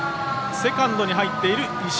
セカンドに入っている石井。